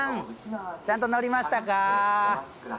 ちゃんと乗りましたか？